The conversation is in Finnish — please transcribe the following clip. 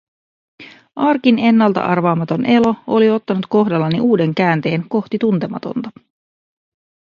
Arkin ennalta arvaamaton elo oli ottanut kohdallani uuden käänteen kohti tuntematonta.